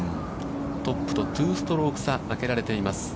トップと２ストローク差あけられています。